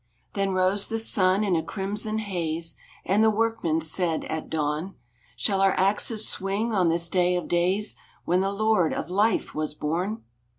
Then rose the sun in a crimson haze, And the workmen said at dawn: "Shall our axes swing on this day of days, When the Lord of Life was born?"